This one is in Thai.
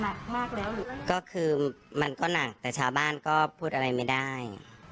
คือเราเห็นว่ามันแบบหนักมากแล้วหรือมันก็หนักแต่ชาวบ้านก็พูดอะไรไม่ได้